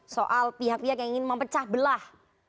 soal pihak pihak yang ingin mempecah belah